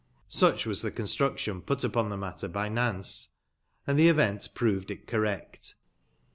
Sucb was tbe construction put upon tbe matter by Nance, and tbe event proved it correct.